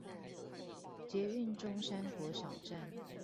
捷運中山國小站